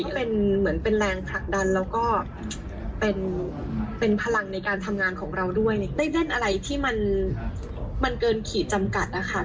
ที่เป็นเหมือนเป็นแรงผลักดันแล้วก็เป็นพลังในการทำงานของเราด้วยได้เล่นอะไรที่มันเกินขีดจำกัดนะคะ